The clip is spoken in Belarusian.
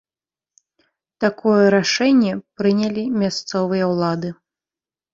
Такое рашэнне прынялі мясцовыя ўлады.